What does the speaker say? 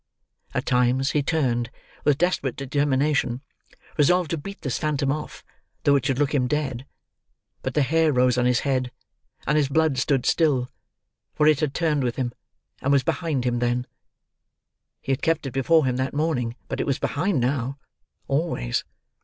At times, he turned, with desperate determination, resolved to beat this phantom off, though it should look him dead; but the hair rose on his head, and his blood stood still, for it had turned with him and was behind him then. He had kept it before him that morning, but it was behind now—always.